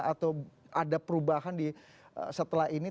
atau ada perubahan setelah ini